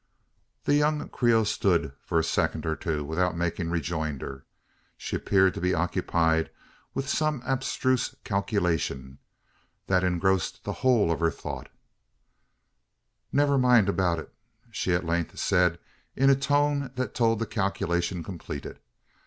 The young Creole stood for a second or two, without making rejoinder. She appeared to be occupied with some abstruse calculation, that engrossed the whole of her thoughts. "Never mind about it," she at length said, in a tone that told the calculation completed.